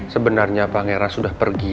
sebenarnya pangeran sudah pergi